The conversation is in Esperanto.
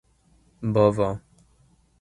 bovo